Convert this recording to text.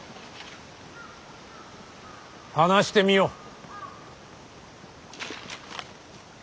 話してみよ。